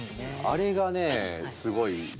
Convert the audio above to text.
あれがねすごい好きで。